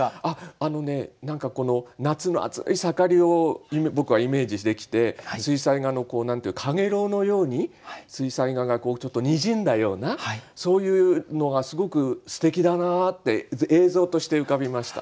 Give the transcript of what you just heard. あのね何かこの夏の暑い盛りを僕はイメージできて水彩画のかげろうのように水彩画がちょっとにじんだようなそういうのがすごくすてきだなって映像として浮かびました。